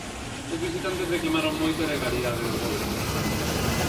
Os visitantes reclamaron moito a legalidade do gol.